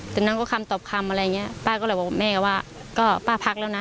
แต่น้องก็คำตอบคำอะไรอย่างเงี้ยป้าก็แบบว่าแม่ก็ว่าก็ป้าพักแล้วน่ะ